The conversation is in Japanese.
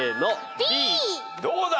どうだ？